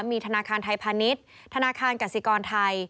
มีธนาคารไทยพาณิชย์ธนาคารกสิกรไทย